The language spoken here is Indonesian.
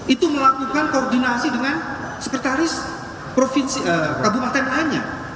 itu melakukan koordinasi dengan sekretaris kabupaten anyar